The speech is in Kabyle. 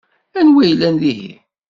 Anwa i yellan dihin?